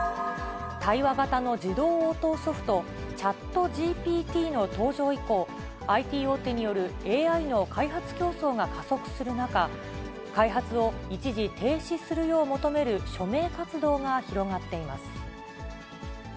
対話型の自動応答ソフト、チャットＧＰＴの登場以降、ＩＴ大手によるＡＩの開発競争が加速する中、開発を一時停止するよう求める署名活動が広がっています。